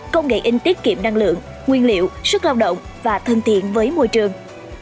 công nghệ in tiết kiệm năng lượng nguyên liệu sức lao động và thân thiện với môi trường